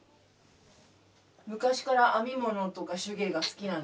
昔から編み物とか手芸が好きなんですか？